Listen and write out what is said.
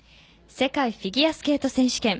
世界フィギュアスケート選手権。